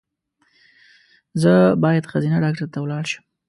زه باید ښځېنه ډاکټر ته ولاړ شم